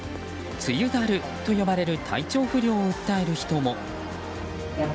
梅雨だると呼ばれる体調不良を訴える人も。